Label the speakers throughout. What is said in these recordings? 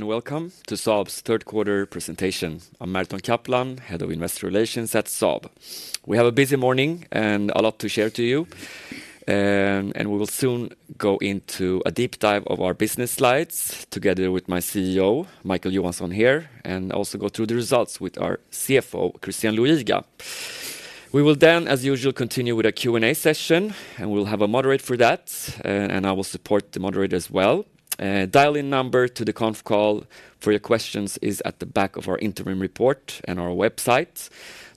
Speaker 1: Welcome to Saab's third quarter presentation. I'm Merton Kaplan, head of Investor Relations at Saab. We have a busy morning and a lot to share to you. We will soon go into a deep dive of our business slides together with my CEO, Micael Johansson here, and also go through the results with our CFO, Christian Luiga. We will then, as usual, continue with a Q&A session, and we'll have a moderator for that, and I will support the moderator as well. Dial-in number to the conf call for your questions is at the back of our interim report and our website.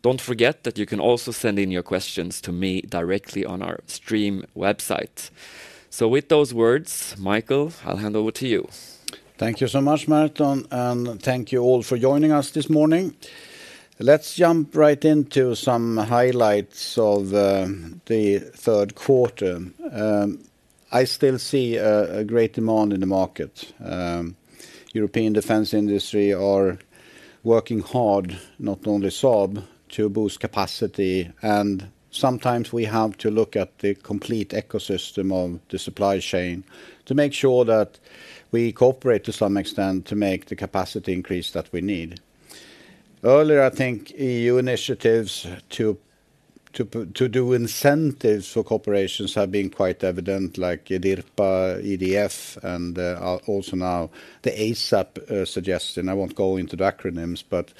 Speaker 1: Don't forget that you can also send in your questions to me directly on our stream website. With those words, Micael, I'll hand over to you.
Speaker 2: Thank you so much, Merton, and thank you all for joining us this morning. Let's jump right into some highlights of the third quarter. I still see a great demand in the market. European defense industry are working hard, not only Saab, to boost capacity, and sometimes we have to look at the complete ecosystem of the supply chain to make sure that we cooperate to some extent to make the capacity increase that we need. Earlier, I think EU initiatives to do incentives for corporations have been quite evident, like EDIRPA, EDF, and also now the ASAP suggestion. I won't go into the acronyms, but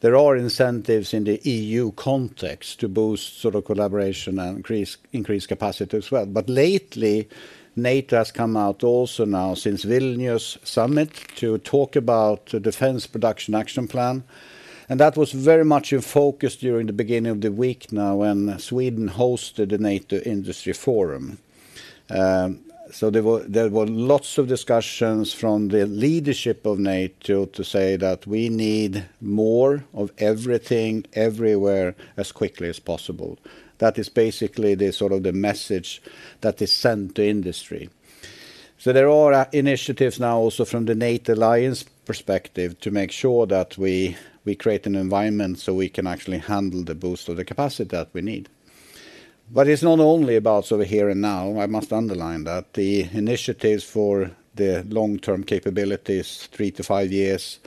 Speaker 2: there are incentives in the EU context to boost sort of collaboration and increase capacity as well. But lately, NATO has come out also now, since Vilnius Summit, to talk about the Defense Production Action Plan, and that was very much in focus during the beginning of the week now, when Sweden hosted the NATO Industry Forum. So there were lots of discussions from the leadership of NATO to say that we need more of everything, everywhere, as quickly as possible. That is basically the sort of the message that is sent to industry. So there are initiatives now also from the NATO alliance perspective to make sure that we create an environment, so we can actually handle the boost of the capacity that we need. But it's not only about sort of here and now, I must underline that. The initiatives for the long-term capabilities, three to five years,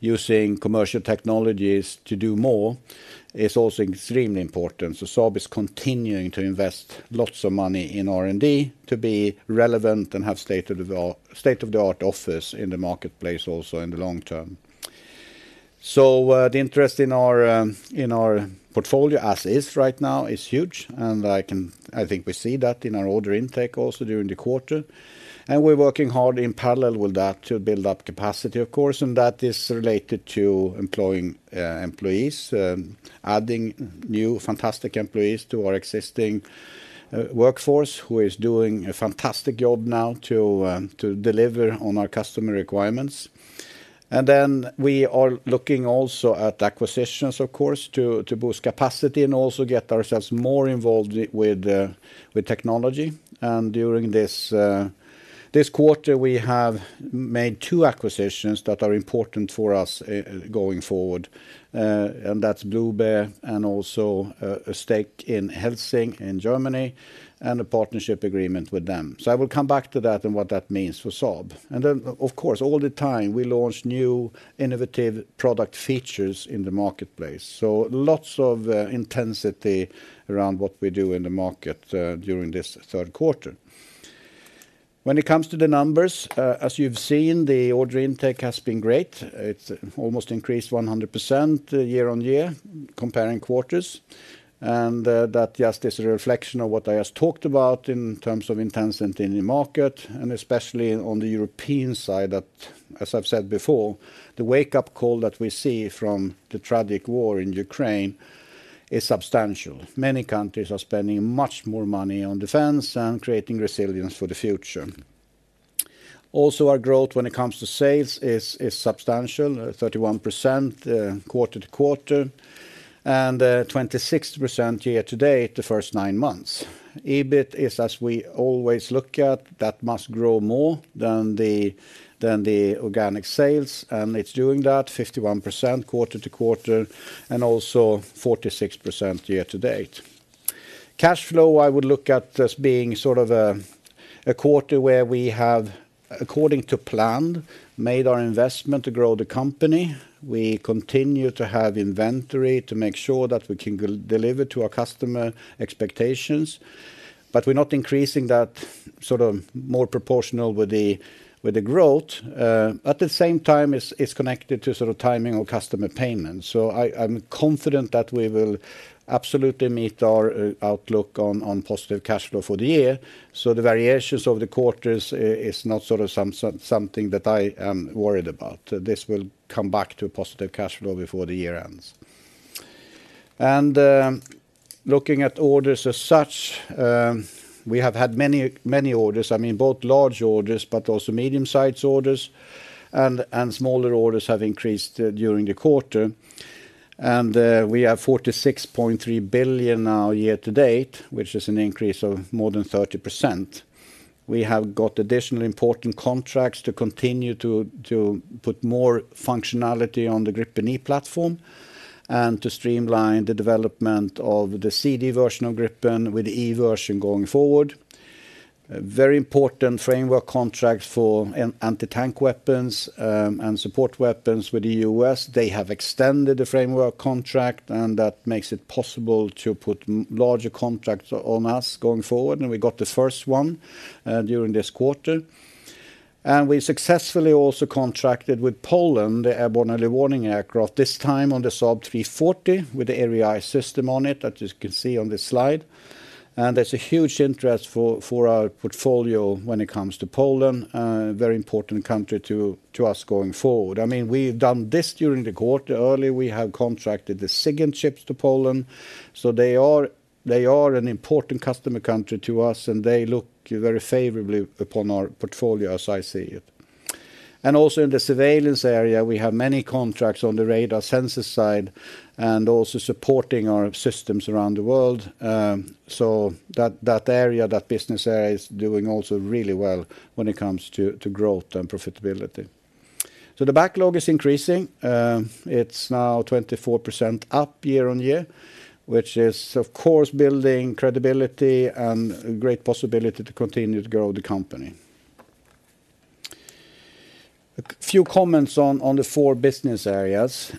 Speaker 2: using commercial technologies to do more, is also extremely important. So Saab is continuing to invest lots of money in R&D to be relevant and have state-of-the-art, state-of-the-art office in the marketplace also in the long term. So, the interest in our, in our portfolio as is right now is huge, and I think we see that in our order intake also during the quarter. And we're working hard in parallel with that to build up capacity, of course, and that is related to employing, employees, adding new, fantastic employees to our existing, workforce, who is doing a fantastic job now to, to deliver on our customer requirements. And then we are looking also at acquisitions, of course, to, to boost capacity and also get ourselves more involved with, with technology. During this quarter, we have made two acquisitions that are important for us, going forward, and that's BlueBear and also a stake in Helsing in Germany, and a partnership agreement with them. I will come back to that and what that means for Saab. Then, of course, all the time, we launch new innovative product features in the marketplace, so lots of intensity around what we do in the market during this third quarter. When it comes to the numbers, as you've seen, the order intake has been great. It's almost increased 100% year-on-year, comparing quarters. That just is a reflection of what I just talked about in terms of intensity in the market, and especially on the European side, that, as I've said before, the wake-up call that we see from the tragic war in Ukraine is substantial. Many countries are spending much more money on defense and creating resilience for the future. Also, our growth when it comes to sales is substantial, 31% quarter-over-quarter, and 26% year to date, the first nine months. EBIT is, as we always look at, that must grow more than the organic sales, and it's doing that 51% quarter-over-quarter and also 46% year to date. Cash flow, I would look at as being sort of a quarter where we have, according to plan, made our investment to grow the company. We continue to have inventory to make sure that we can deliver to our customer expectations, but we're not increasing that sort of more proportional with the, with the growth. At the same time, it's, it's connected to sort of timing of customer payments. So I'm confident that we will absolutely meet our outlook on positive cash flow for the year. So the variations of the quarters is not sort of something that I am worried about. This will come back to a positive cash flow before the year ends. And looking at orders as such, we have had many, many orders, I mean, both large orders, but also medium-sized orders, and smaller orders have increased during the quarter. We have 46.3 billion now year to date, which is an increase of more than 30%. We have got additional important contracts to continue to put more functionality on the Gripen E platform and to streamline the development of the C/D version of Gripen with the E version going forward. A very important framework contract for an anti-tank weapons and support weapons with the U.S. They have extended the framework contract, and that makes it possible to put larger contracts on us going forward, and we got the first one during this quarter. We successfully also contracted with Poland, the airborne early warning aircraft, this time on the Saab 340, with the Erieye system on it, as you can see on this slide. There's a huge interest for, for our portfolio when it comes to Poland, a very important country to, to us going forward. I mean, we've done this during the quarter. Already, we have contracted the second ships to Poland, so they are, they are an important customer country to us, and they look very favorably upon our portfolio, as I see it. And also in the Surveillance area, we have many contracts on the radar sensors side and also supporting our systems around the world. So that, that area, that business area, is doing also really well when it comes to, to growth and profitability. So the backlog is increasing. It's now 24% up year-on-year, which is, of course, building credibility and great possibility to continue to grow the company. A few comments on, on the four business areas.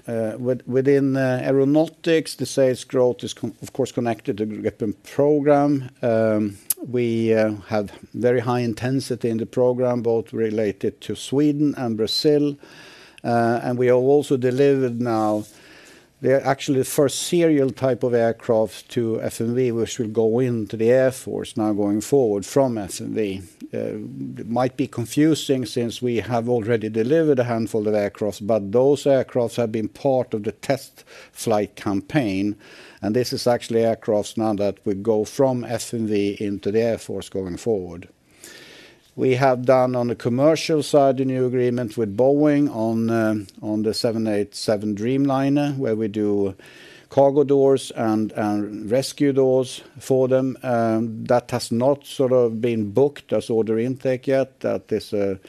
Speaker 2: Within Aeronautics, the sales growth is, of course, connected to the program. We have very high intensity in the program, both related to Sweden and Brazil. And we have also delivered now the actually first serial type of aircraft to FMV, which will go into the Air Force now going forward from FMV. It might be confusing since we have already delivered a handful of aircraft, but those aircraft have been part of the test flight campaign, and this is actually aircraft now that would go from FMV into the Air Force going forward. We have done on the commercial side, a new agreement with Boeing on the 787 Dreamliner, where we do cargo doors and rescue doors for them. That has not sort of been booked as order intake yet. That is a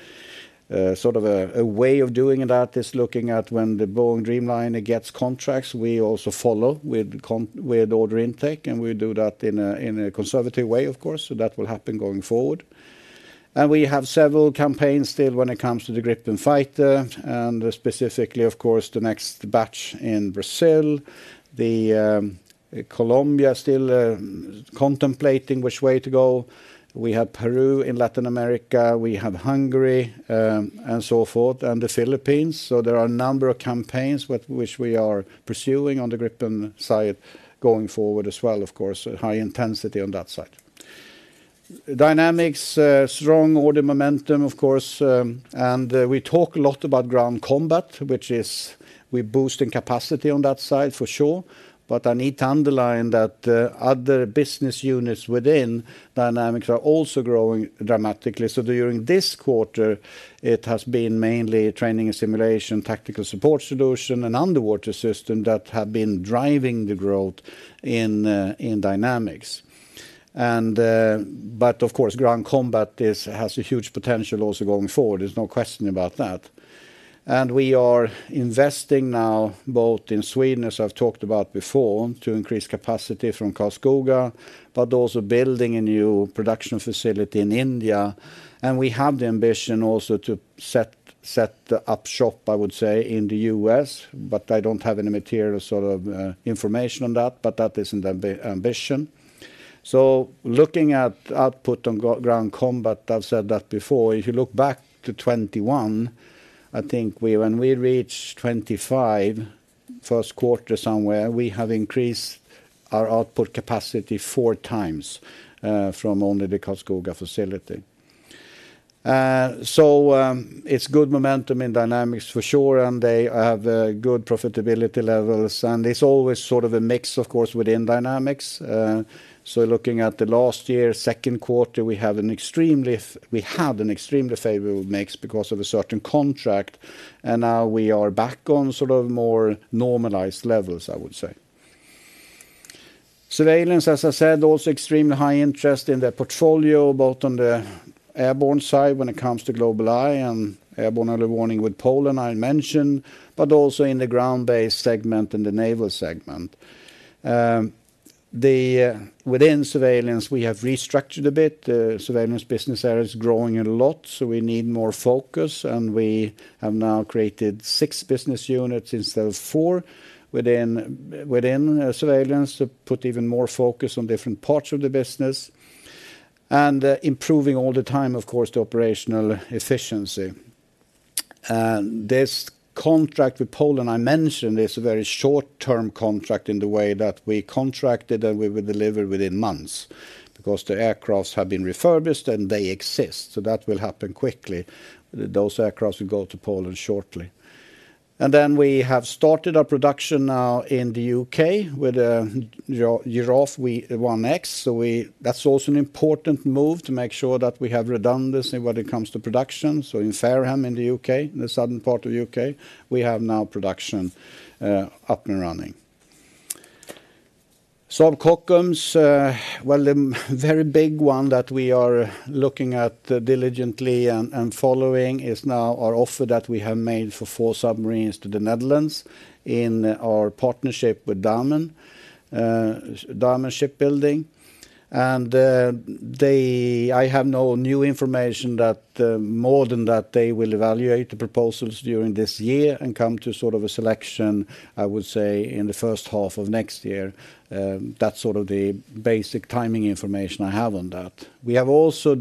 Speaker 2: sort of a way of doing it, that is looking at when the Boeing Dreamliner gets contracts. We also follow with order intake, and we do that in a conservative way, of course, so that will happen going forward. We have several campaigns still when it comes to the Gripen fighter and specifically, of course, the next batch in Brazil. Colombia still contemplating which way to go. We have Peru in Latin America, we have Hungary, and so forth, and the Philippines. So there are a number of campaigns with which we are pursuing on the Gripen side, going forward as well, of course, high intensity on that side. Dynamics strong order momentum, of course, and we talk a lot about ground combat, which is we're boosting capacity on that side for sure. But I need to underline that other business units within Dynamics are also growing dramatically. So during this quarter, it has been mainly training and simulation, tactical support solution, and underwater system that have been driving the growth in Dynamics. But of course, ground combat has a huge potential also going forward. There's no question about that. And we are investing now, both in Sweden, as I've talked about before, to increase capacity from Karlskoga, but also building a new production facility in India. And we have the ambition also to set up shop, I would say, in the U.S., but I don't have any material sort of information on that, but that is an ambition. So looking at output on ground combat, I've said that before. If you look back to 2021, I think we, when we reached 25, first quarter somewhere, we have increased our output capacity 4 times from only the Karlskoga facility. So, it's good momentum in Dynamics, for sure, and they have good profitability levels, and it's always sort of a mix, of course, within Dynamics. So looking at the last year, second quarter, we had an extremely favorable mix because of a certain contract, and now we are back on sort of more normalized levels, I would say. Surveillance, as I said, also extremely high interest in the portfolio, both on the airborne side when it comes to GlobalEye and airborne early warning with Poland, I mentioned, but also in the ground-based segment and the naval segment. Within Surveillance, we have restructured a bit. The Surveillance business area is growing a lot, so we need more focus, and we have now created six business units instead of four within Surveillance to put even more focus on different parts of the business and improving all the time, of course, the operational efficiency. This contract with Poland, I mentioned, is a very short-term contract in the way that we contracted, and we will deliver within months because the aircraft have been refurbished, and they exist, so that will happen quickly. Those aircraft will go to Poland shortly. Then we have started our production now in the U.K. with Eurofighter Typhoon wing. That's also an important move to make sure that we have redundancy when it comes to production. So in Fareham, in the U.K., the southern part of the U.K., we have now production up and running. Saab Kockums, well, the very big one that we are looking at diligently and following is now our offer that we have made for four submarines to the Netherlands in our partnership with Damen, Damen Shipbuilding. And they I have no new information that more than that they will evaluate the proposals during this year and come to sort of a selection, I would say, in the first half of next year. That's sort of the basic timing information I have on that. We have also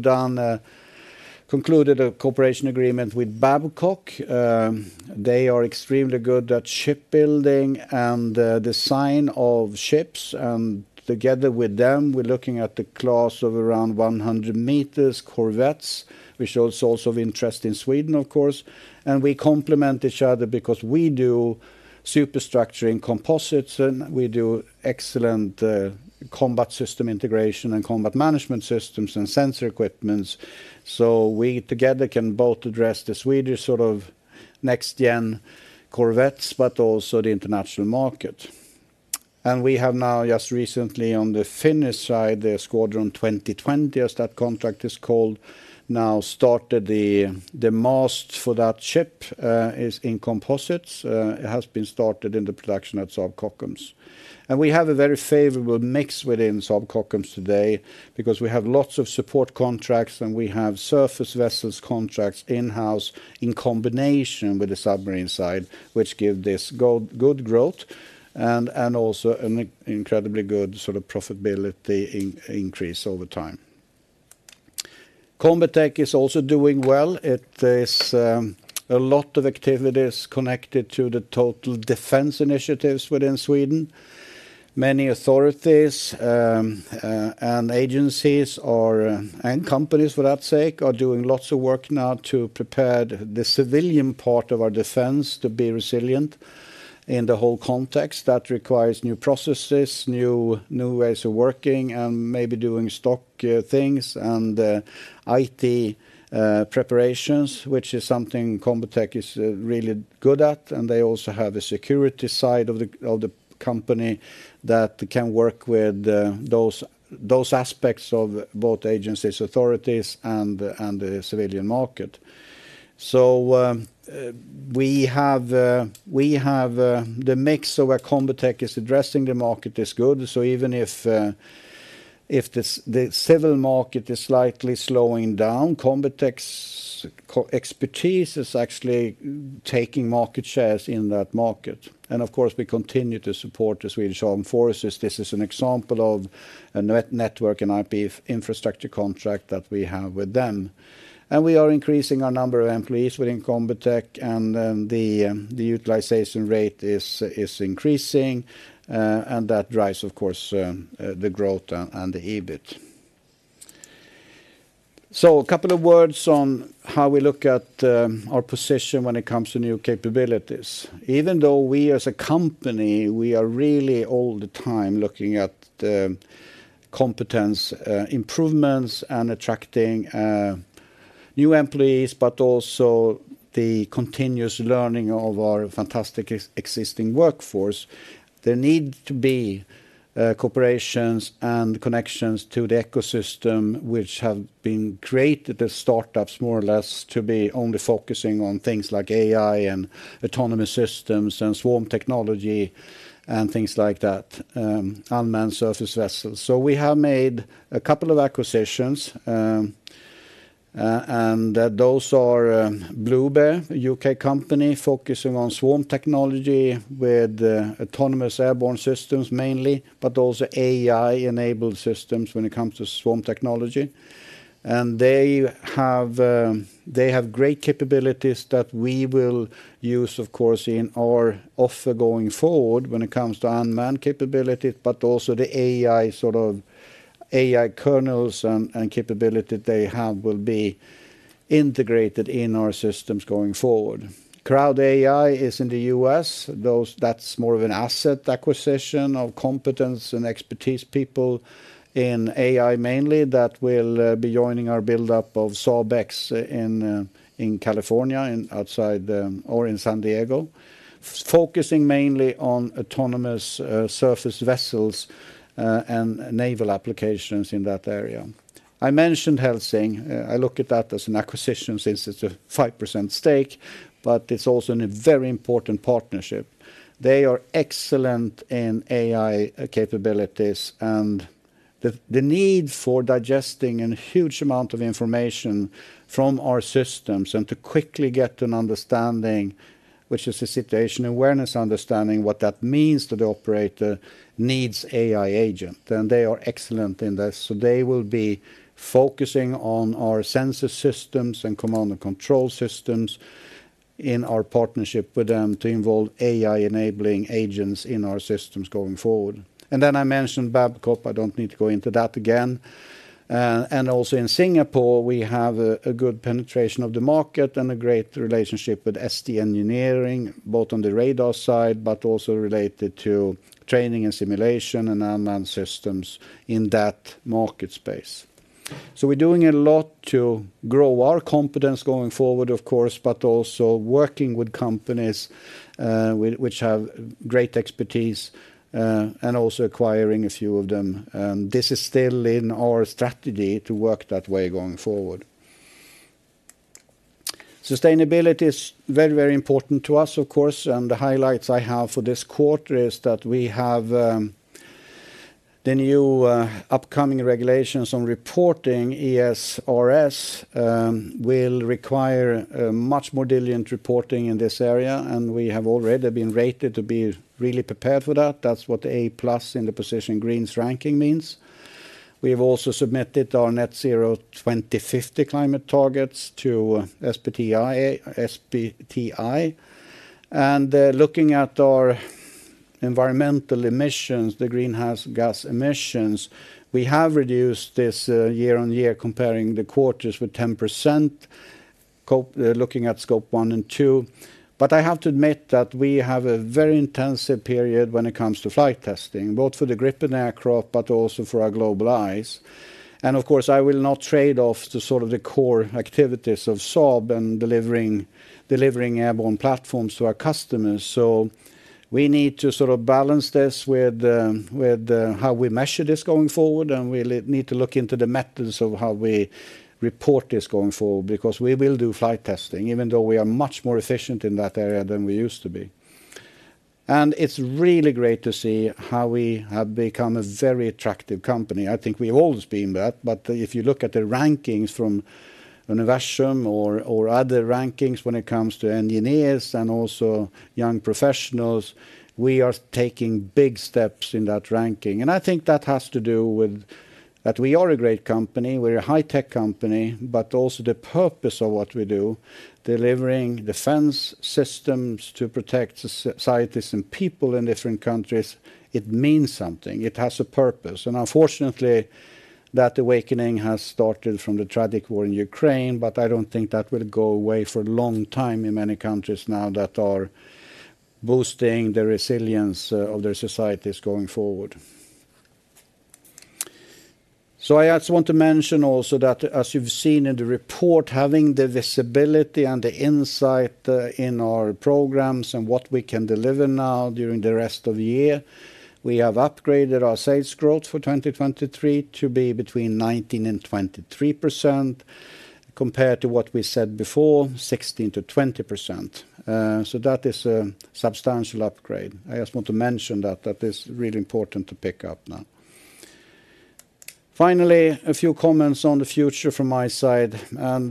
Speaker 2: concluded a cooperation agreement with Babcock. They are extremely good at shipbuilding and the design of ships, and together with them, we're looking at the class of around 100 meters corvettes, which is also of interest in Sweden, of course. And we complement each other because we do superstructure composites, and we do excellent combat system integration and combat management systems and sensor equipment. So we, together, can both address the Swedish sort of next-gen corvettes, but also the international market. And we have now, just recently, on the Finnish side, the Squadron 2020, as that contract is called, now started the mast for that ship is in composites. It has been started in the production at Saab Kockums. We have a very favorable mix within Saab Kockums today because we have lots of support contracts, and we have surface vessels contracts in-house in combination with the submarine side, which give this good growth and also an incredibly good sort of profitability increase over time. Combitech is also doing well. It is a lot of activities connected to the total defense initiatives within Sweden. Many authorities and agencies or and companies, for that sake, are doing lots of work now to prepare the civilian part of our defense to be resilient in the whole context. That requires new processes, new ways of working, and maybe doing stock things, and IT preparations, which is something Combitech is really good at. They also have a security side of the company that can work with those aspects of both agencies, authorities, and the civilian market. So we have the mix of where Combitech is addressing the market is good. So even if the civil market is slightly slowing down, Combitech's core expertise is actually taking market shares in that market. And of course, we continue to support the Swedish Armed Forces. This is an example of a network and IP infrastructure contract that we have with them. And we are increasing our number of employees within Combitech, and the utilization rate is increasing, and that drives, of course, the growth and the EBIT. So a couple of words on how we look at our position when it comes to new capabilities. Even though we, as a company, we are really all the time looking at the competence improvements and attracting new employees, but also the continuous learning of our fantastic existing workforce, there need to be corporations and connections to the ecosystem which have been created, the startups, more or less, to be only focusing on things like AI and autonomous systems and swarm technology and things like that, unmanned surface vessels. So we have made a couple of acquisitions, and those are BlueBear, a U.K. company focusing on swarm technology with autonomous airborne systems mainly, but also AI-enabled systems when it comes to swarm technology. They have great capabilities that we will use, of course, in our offer going forward when it comes to unmanned capabilities, but also the AI, sort of AI kernels and capability they have will be integrated in our systems going forward. CrowdAI is in the U.S. That's more of an asset acquisition of competence and expertise, people in AI mainly, that will be joining our build-up of Saab X in California and outside, or in San Diego, focusing mainly on autonomous surface vessels and naval applications in that area. I mentioned Helsing. I look at that as an acquisition since it's a 5% stake, but it's also a very important partnership. They are excellent in AI capabilities and the need for digesting a huge amount of information from our systems and to quickly get an understanding, which is a situation awareness, understanding what that means to the operator, needs AI agent, and they are excellent in this. So they will be focusing on our sensor systems and command and control systems in our partnership with them to involve AI-enabling agents in our systems going forward. And then I mentioned Babcock. I don't need to go into that again. And also in Singapore, we have a good penetration of the market and a great relationship with ST Engineering, both on the radar side, but also related to training and simulation and unmanned systems in that market space.... So we're doing a lot to grow our competence going forward, of course, but also working with companies, which have great expertise, and also acquiring a few of them. And this is still in our strategy to work that way going forward. Sustainability is very, very important to us, of course, and the highlights I have for this quarter is that we have, the new, upcoming regulations on reporting, ESRS, will require, much more diligent reporting in this area, and we have already been rated to be really prepared for that. That's what A+ in the Position Green ranking means. We've also submitted our net zero 2050 climate targets to SBTi, SBTi. And, looking at our environmental emissions, the greenhouse gas emissions, we have reduced this, year-on-year, comparing the quarters with 10%, scope one and two. But I have to admit that we have a very intensive period when it comes to flight testing, both for the Gripen aircraft, but also for our GlobalEye. And of course, I will not trade off the sort of the core activities of Saab and delivering airborne platforms to our customers. So we need to sort of balance this with how we measure this going forward, and we'll need to look into the methods of how we report this going forward, because we will do flight testing, even though we are much more efficient in that area than we used to be. And it's really great to see how we have become a very attractive company. I think we've always been that, but if you look at the rankings from Universum or other rankings when it comes to engineers and also young professionals, we are taking big steps in that ranking. And I think that has to do with that we are a great company, we're a high-tech company, but also the purpose of what we do, delivering defense systems to protect societies and people in different countries, it means something. It has a purpose. And unfortunately, that awakening has started from the tragic war in Ukraine, but I don't think that will go away for a long time in many countries now that are boosting the resilience of their societies going forward. So I also want to mention also that, as you've seen in the report, having the visibility and the insight in our programs and what we can deliver now during the rest of the year, we have upgraded our sales growth for 2023 to be between 19% and 23%, compared to what we said before, 16% to 20%. So that is a substantial upgrade. I just want to mention that that is really important to pick up now. Finally, a few comments on the future from my side, and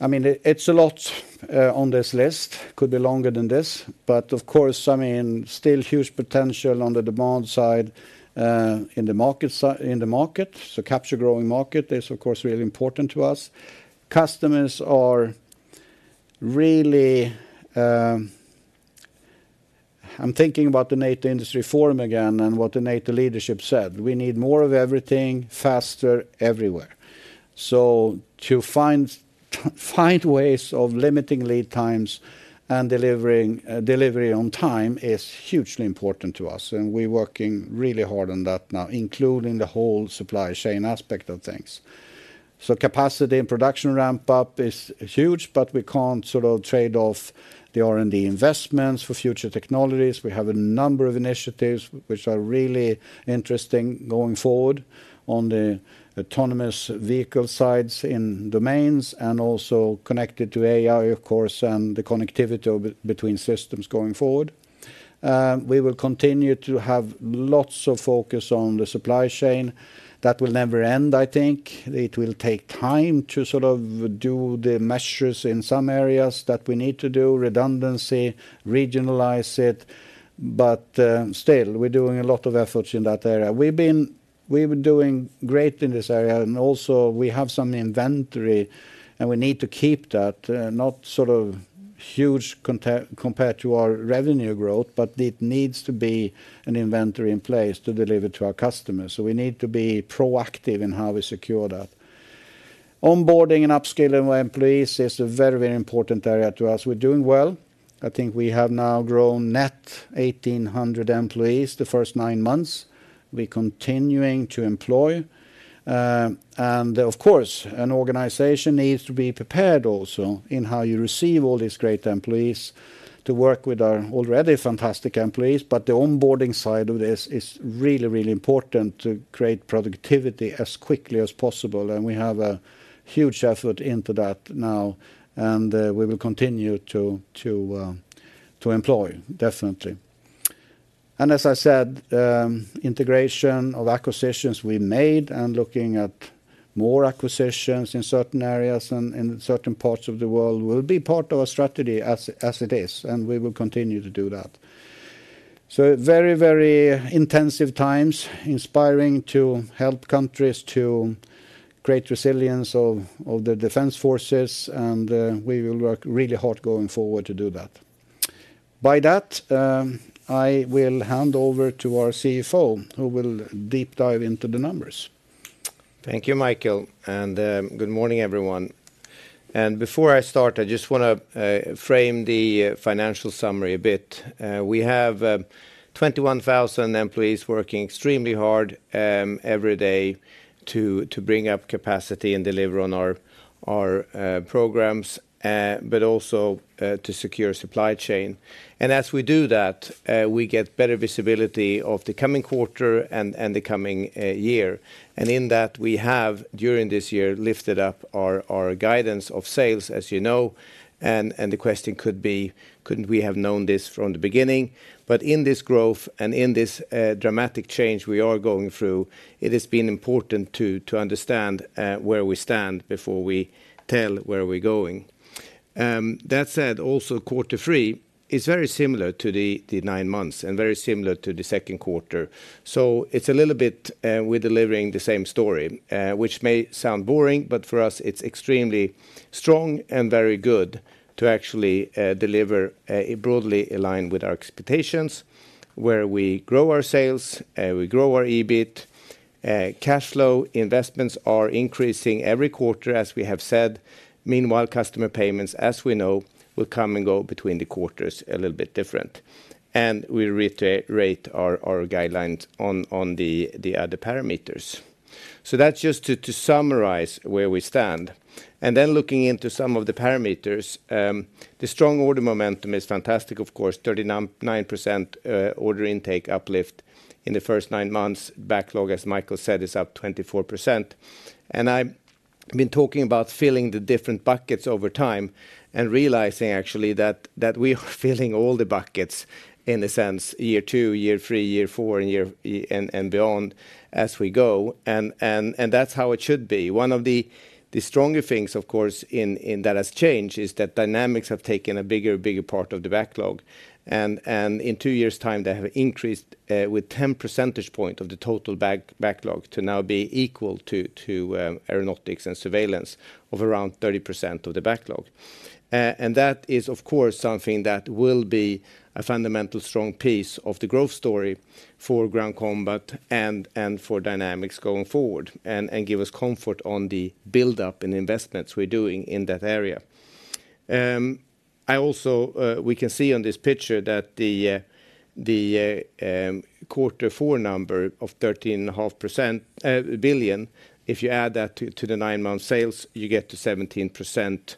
Speaker 2: I mean, it, it's a lot on this list, could be longer than this, but of course, I mean, still huge potential on the demand side in the market. So capture growing market is, of course, really important to us. Customers are really... I'm thinking about the NATO Industry Forum again and what the NATO leadership said, "We need more of everything, faster, everywhere." So to find ways of limiting lead times and delivering delivery on time is hugely important to us, and we're working really hard on that now, including the whole supply chain aspect of things. So capacity and production ramp-up is huge, but we can't sort of trade off the R&D investments for future technologies. We have a number of initiatives which are really interesting going forward on the autonomous vehicle sides in domains, and also connected to AI, of course, and the connectivity between systems going forward. We will continue to have lots of focus on the supply chain. That will never end, I think. It will take time to sort of do the measures in some areas that we need to do, redundancy, regionalize it, but still, we're doing a lot of efforts in that area. We've been doing great in this area, and also we have some inventory, and we need to keep that, not sort of huge compared to our revenue growth, but it needs to be an inventory in place to deliver to our customers. So we need to be proactive in how we secure that. Onboarding and upskilling our employees is a very, very important area to us. We're doing well. I think we have now grown net 1,800 employees the first nine months. We're continuing to employ. And of course, an organization needs to be prepared also in how you receive all these great employees to work with our already fantastic employees. But the onboarding side of this is really, really important to create productivity as quickly as possible, and we have a huge effort into that now, and we will continue to employ, definitely. And as I said, integration of acquisitions we made and looking at more acquisitions in certain areas and in certain parts of the world will be part of our strategy as it is, and we will continue to do that. So very, very intensive times, inspiring to help countries to create resilience of the defense forces, and we will work really hard going forward to do that. By that, I will hand over to our CFO, who will deep dive into the numbers.
Speaker 3: Thank you, Micael, and good morning, everyone. Before I start, I just want to frame the financial summary a bit. We have 21,000 employees working extremely hard every day to bring up capacity and deliver on our programs, but also to secure supply chain. As we do that, we get better visibility of the coming quarter and the coming year. In that, we have, during this year, lifted up our guidance of sales, as you know, and the question could be: couldn't we have known this from the beginning? But in this growth and in this dramatic change we are going through, it has been important to understand where we stand before we tell where we're going. That said, also, quarter three is very similar to the nine months and very similar to the second quarter. So it's a little bit, we're delivering the same story, which may sound boring, but for us, it's extremely strong and very good to actually deliver, broadly aligned with our expectations, where we grow our sales, we grow our EBIT. Cash flow investments are increasing every quarter, as we have said. Meanwhile, customer payments, as we know, will come and go between the quarters a little bit different, and we reiterate our guidelines on the other parameters. So that's just to summarize where we stand. And then looking into some of the parameters, the strong order momentum is fantastic, of course, 39% order intake uplift in the first nine months. Backlog, as Micael said, is up 24%. I've been talking about filling the different buckets over time and realizing actually that we are filling all the buckets in a sense, year two, year three, year four, and year and that's how it should be. One of the stronger things, of course, in that has changed is that Dynamics have taken a bigger part of the backlog. In two years' time, they have increased with 10 percentage points of the total backlog to now be equal to Aeronautics and Surveillance of around 30% of the backlog. And that is, of course, something that will be a fundamental strong piece of the growth story for ground combat and Dynamics going forward, and give us comfort on the buildup in investments we're doing in that area. I also, we can see on this picture that the quarter four number of 13.5 billion, if you add that to the nine-month sales, you get to 17%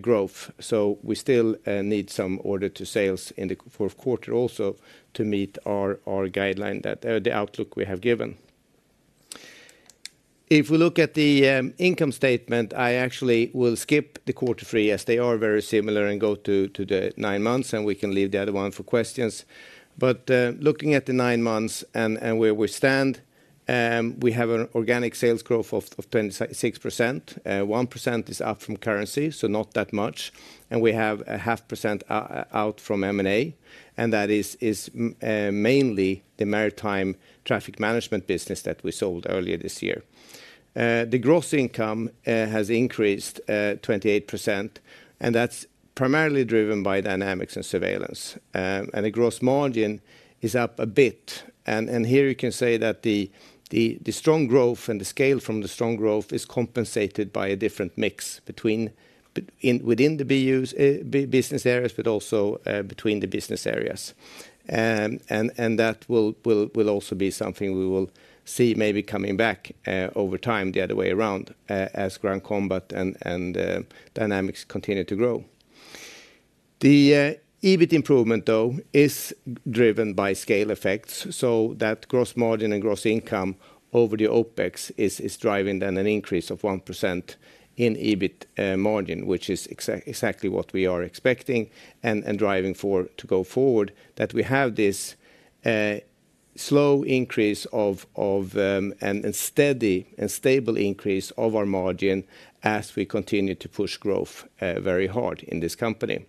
Speaker 3: growth. So we still need some order to sales in the fourth quarter also to meet our guideline that the outlook we have given. If we look at the income statement, I actually will skip the quarter three, as they are very similar, and go to the nine months, and we can leave the other one for questions. But, looking at the nine months and where we stand, we have an organic sales growth of 26%. 1% is up from currency, so not that much, and we have a 0.5% out from M&A, and that is mainly the maritime traffic management business that we sold earlier this year. The gross income has increased 28%, and that's primarily driven by Dynamics and Surveillance. And the gross margin is up a bit. And here you can say that the strong growth and the scale from the strong growth is compensated by a different mix between within the BUs business areas, but also between the business areas. And that will also be something we will see maybe coming back over time, the other way around, as ground combat and Dynamics continue to grow. The EBIT improvement, though, is driven by scale effects, so that gross margin and gross income over the OpEx is driving then an increase of 1% in EBIT margin, which is exactly what we are expecting and driving for to go forward, that we have this slow increase of and steady and stable increase of our margin as we continue to push growth very hard in this company.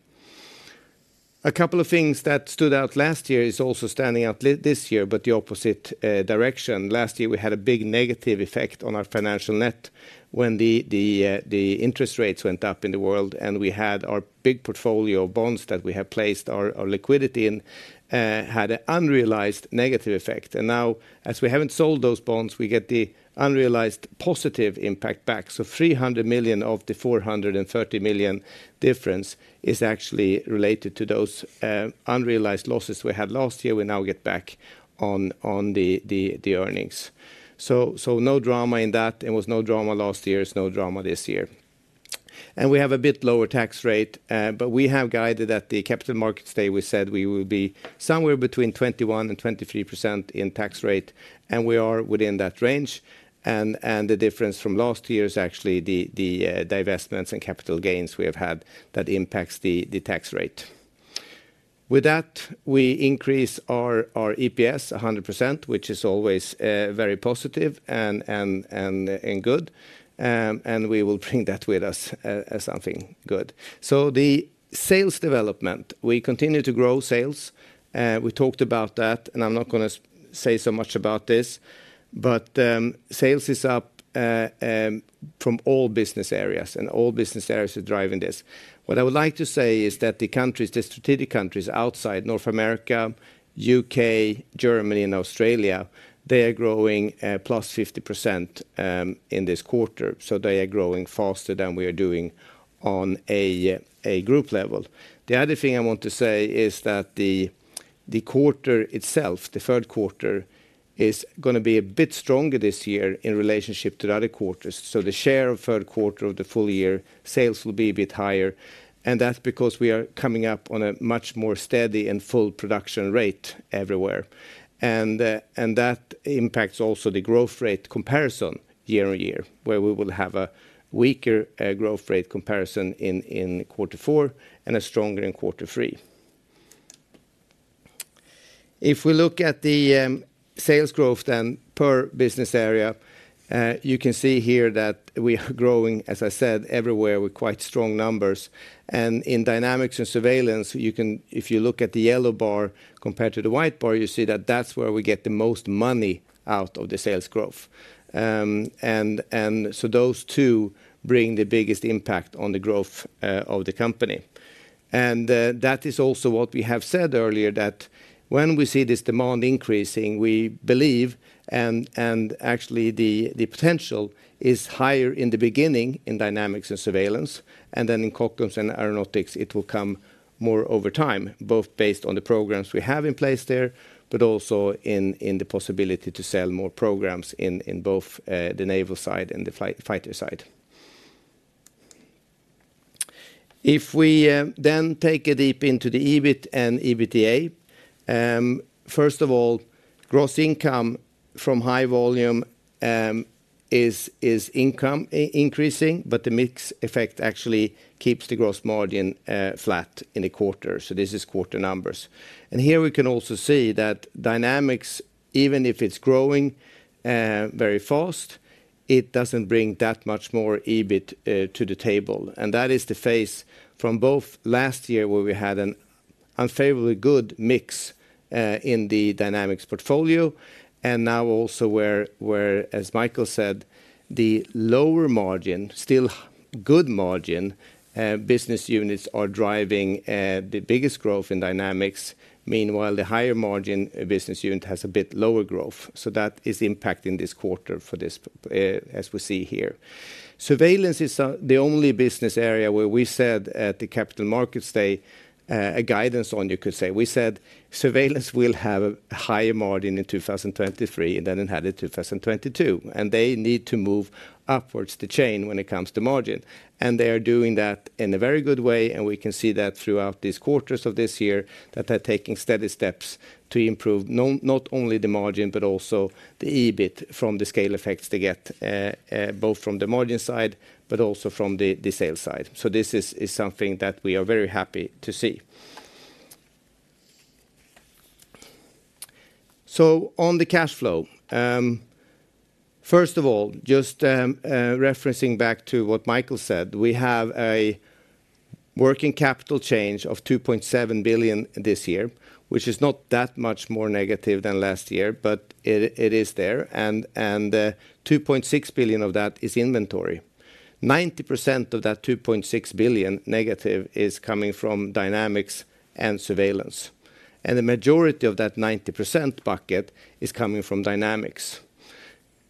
Speaker 3: A couple of things that stood out last year is also standing out this year, but the opposite direction. Last year, we had a big negative effect on our financial net when the interest rates went up in the world, and we had our big portfolio of bonds that we had placed our liquidity in had an unrealized negative effect. And now, as we haven't sold those bonds, we get the unrealized positive impact back. So 300 million of the 430 million difference is actually related to those unrealized losses we had last year. We now get back on the earnings. So no drama in that. There was no drama last year. There's no drama this year. And we have a bit lower tax rate, but we have guided at the capital markets day. We said we will be somewhere between 21% and 23% in tax rate, and we are within that range. And the difference from last year is actually the divestments and capital gains we have had that impacts the tax rate. With that, we increase our EPS 100%, which is always very positive and good. And we will bring that with us as something good. So the sales development, we continue to grow sales. We talked about that, and I'm not gonna say so much about this, but sales is up from all business areas, and all business areas are driving this. What I would like to say is that the countries, the strategic countries outside North America, U.K., Germany, and Australia, they are growing plus 50% in this quarter, so they are growing faster than we are doing on a group level. The other thing I want to say is that the quarter itself, the third quarter, is gonna be a bit stronger this year in relationship to the other quarters. So the share of third quarter of the full year sales will be a bit higher, and that's because we are coming up on a much more steady and full production rate everywhere. And that impacts also the growth rate comparison year-on-year, where we will have a weaker growth rate comparison in quarter four and a stronger in quarter three. If we look at the sales growth then per business area, you can see here that we are growing, as I said, everywhere with quite strong numbers. In Dynamics and Surveillance, you can if you look at the yellow bar compared to the white bar, you see that that's where we get the most money out of the sales growth. So those two bring the biggest impact on the growth of the company. That is also what we have said earlier, that when we see this demand increasing, we believe, and actually the potential is higher in the beginning in Dynamics and Surveillance, and then in Cockpit and Aeronautics, it will come more over time, both based on the programs we have in place there, but also in the possibility to sell more programs in both the naval side and the fighter side. If we then take a deep into the EBIT and EBITDA, first of all, gross income from high volume is increasing, but the mix effect actually keeps the gross margin flat in a quarter. So this is quarter numbers. And here we can also see that Dynamics, even if it's growing very fast, it doesn't bring that much more EBIT to the table. And that is the phase from both last year, where we had an unfavorably good mix in the Dynamics portfolio, and now also where, as Micael said, the lower margin, still good margin business units are driving the biggest growth in Dynamics. Meanwhile, the higher margin business unit has a bit lower growth, so that is impacting this quarter for this, as we see here. Surveillance is the only business area where we said at the Capital Markets Day a guidance on, you could say. We said Surveillance will have a higher margin in 2023 than it had in 2022, and they need to move upwards the chain when it comes to margin. They are doing that in a very good way, and we can see that throughout these quarters of this year, that they're taking steady steps to improve not only the margin, but also the EBIT from the scale effects they get both from the margin side, but also from the sales side. This is something that we are very happy to see. So on the cash flow, first of all, just, referencing back to what Micael said, we have a working capital change of 2.7 billion this year, which is not that much more negative than last year, but it is there. And 2.6 billion of that is inventory. 90% of that 2.6 billion negative is coming from Dynamics and Surveillance, and the majority of that 90% bucket is coming from Dynamics.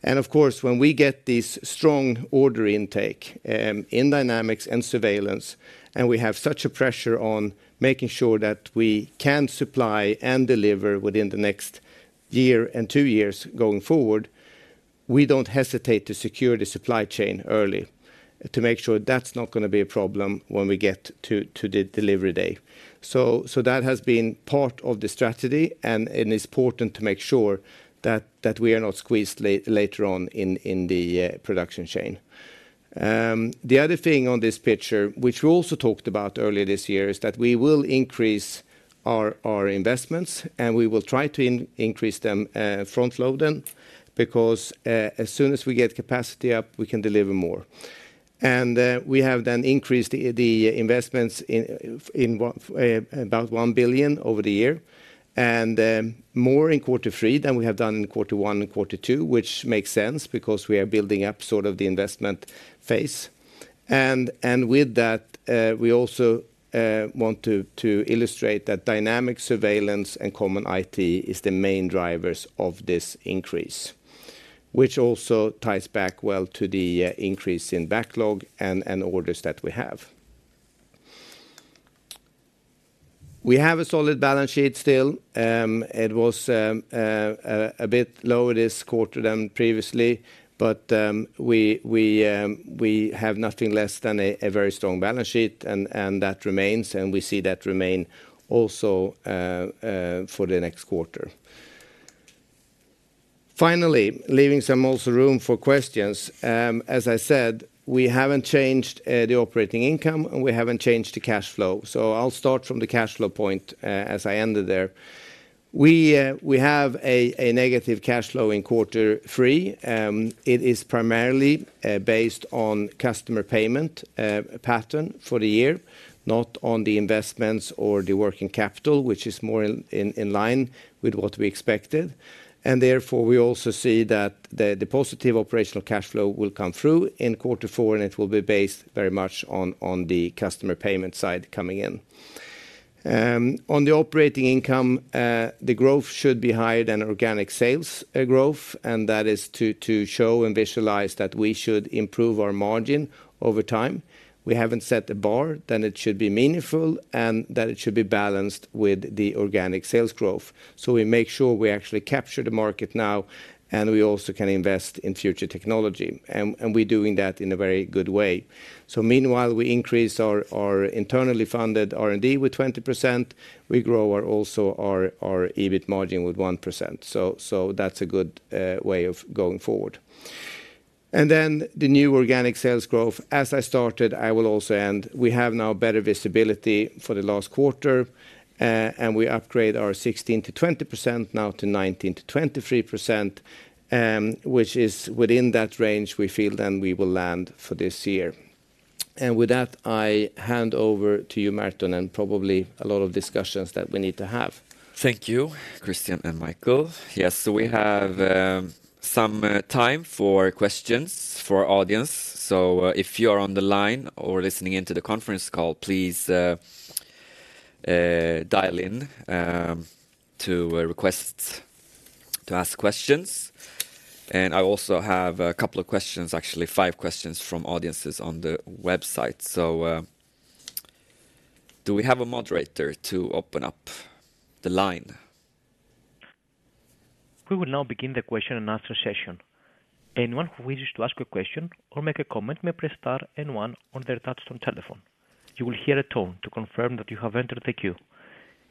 Speaker 3: And of course, when we get this strong order intake in Dynamics and Surveillance, and we have such a pressure on making sure that we can supply and deliver within the next year and two years going forward, we don't hesitate to secure the supply chain early to make sure that's not gonna be a problem when we get to the delivery day. That has been part of the strategy, and it's important to make sure that we are not squeezed later on in the production chain. The other thing on this picture, which we also talked about earlier this year, is that we will increase our investments, and we will try to increase them, front-load them, because as soon as we get capacity up, we can deliver more. And we have then increased the investments in what about 1 billion over the year, and more in quarter three than we have done in quarter one and quarter two, which makes sense because we are building up sort of the investment phase. With that, we also want to illustrate that Dynamics, Surveillance, and common IT is the main drivers of this increase, which also ties back well to the increase in backlog and orders that we have. We have a solid balance sheet still. It was a bit lower this quarter than previously, but we have nothing less than a very strong balance sheet, and that remains, and we see that remain also for the next quarter. Finally, leaving some also room for questions. As I said, we haven't changed the operating income, and we haven't changed the cash flow. So I'll start from the cash flow point, as I ended there. We have a negative cash flow in quarter three. It is primarily based on customer payment pattern for the year, not on the investments or the working capital, which is more in line with what we expected. And therefore, we also see that the positive operational cash flow will come through in quarter four, and it will be based very much on the customer payment side coming in. On the operating income, the growth should be higher than organic sales growth, and that is to show and visualize that we should improve our margin over time. We haven't set the bar, then it should be meaningful, and that it should be balanced with the organic sales growth. So we make sure we actually capture the market now, and we also can invest in future technology. And we're doing that in a very good way. So meanwhile, we increase our internally funded R&D with 20%, we grow our EBIT margin with 1%. So that's a good way of going forward. And then the new organic sales growth, as I started, I will also end. We have now better visibility for the last quarter, and we upgrade our 16%-20% now to 19%-23%, which is within that range we feel then we will land for this year. And with that, I hand over to you, Merton, and probably a lot of discussions that we need to have.
Speaker 1: Thank you, Christian and Micael. Yes, so we have some time for questions for our audience. So, if you are on the line or listening in to the conference call, please, dial in to request to ask questions. And I also have a couple of questions, actually, five questions from audiences on the website. So, do we have a moderator to open up the line?
Speaker 4: We will now begin the question and answer session. Anyone who wishes to ask a question or make a comment may press Star and One on their touchtone telephone. You will hear a tone to confirm that you have entered the queue.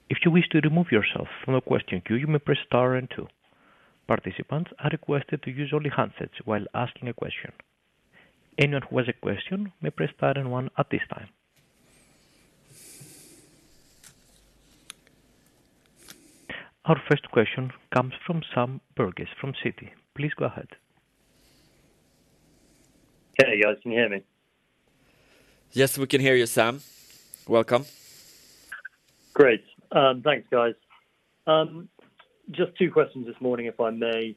Speaker 4: If you wish to remove yourself from the question queue, you may press Star and Two. Participants are requested to use only handsets while asking a question. Anyone who has a question may press Star and One at this time. Our first question comes from Sam Burgess, from Citi. Please go ahead.
Speaker 5: Hey, guys, can you hear me?
Speaker 1: Yes, we can hear you, Sam. Welcome.
Speaker 5: Great. Thanks, guys. Just two questions this morning, if I may.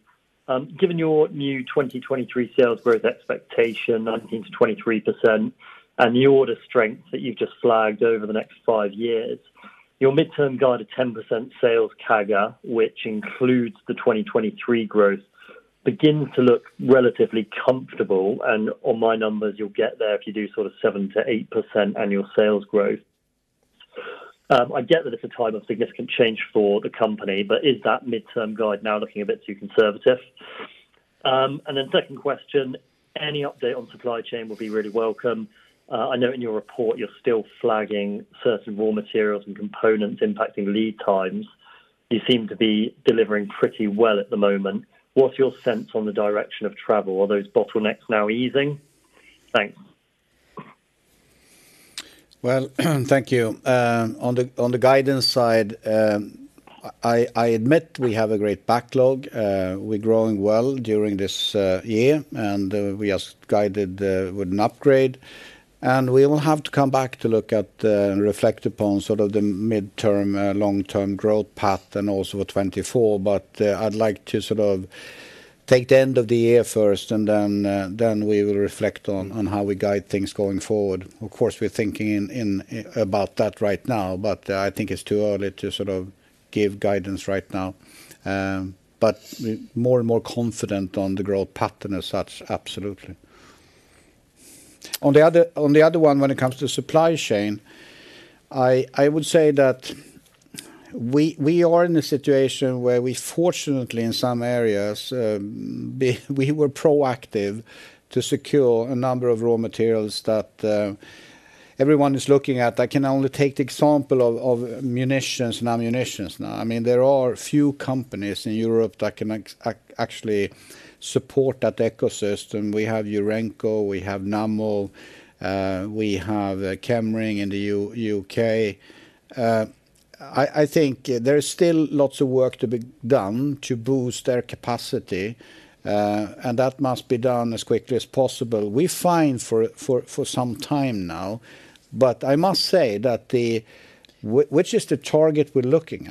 Speaker 5: Given your new 2023 sales growth expectation, 19%-23%, and the order strength that you've just flagged over the next 5 years, your midterm guide of 10% sales CAGR, which includes the 2023 growth, begins to look relatively comfortable, and on my numbers, you'll get there if you do sort of 7%-8% annual sales growth. I get that it's a time of significant change for the company, but is that midterm guide now looking a bit too conservative? And then second question: any update on supply chain will be really welcome. I know in your report you're still flagging certain raw materials and components impacting lead times. You seem to be delivering pretty well at the moment. What's your sense on the direction of travel? Are those bottlenecks now easing? Thanks.
Speaker 2: Well, thank you. On the guidance side, I admit we have a great backlog. We're growing well during this year, and we just guided with an upgrade. And we will have to come back to look at and reflect upon sort of the midterm long-term growth path and also 2024. But I'd like to sort of take the end of the year first, and then we will reflect on how we guide things going forward. Of course, we're thinking about that right now, but I think it's too early to sort of give guidance right now. But we're more and more confident on the growth pattern as such, absolutely. On the other one, when it comes to supply chain, I would say that we are in a situation where we fortunately, in some areas, we were proactive to secure a number of raw materials that everyone is looking at. I can only take the example of munitions and ammunitions now. I mean, there are few companies in Europe that can actually support that ecosystem. We have Umicore, we have Nammo, we have Chemring in the U.K. I think there is still lots of work to be done to boost their capacity, and that must be done as quickly as possible. We're fine for some time now, but I must say that the... Which is the target we're looking